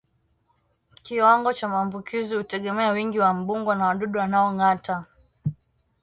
Kiwango cha maambukizi hutegemea wingi wa mbungo na wadudu wanaongata